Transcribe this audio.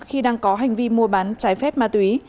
khi đang có hành vi mua bán trái phép ma túy